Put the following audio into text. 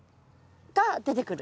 が出てくる。